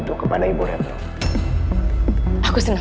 saya akan mencari bukti bukti yang lebih penting